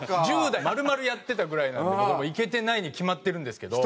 １０代丸々やってたぐらいなんで僕はもうイケてないに決まってるんですけど。